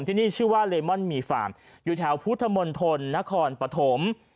ที่นี่ชื่อว่าเลมอนมีฟาร์มอยู่แถวพุทธมณฑลนครปฐม